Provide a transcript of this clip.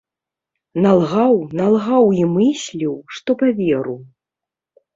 Налгаў, налгаў і мысліў, што паверу.